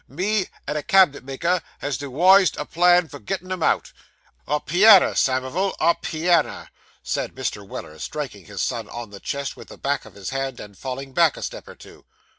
Me and a cab'net maker has dewised a plan for gettin' him out. A pianner, Samivel a pianner!' said Mr. Weller, striking his son on the chest with the back of his hand, and falling back a step or two.